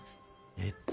えっと。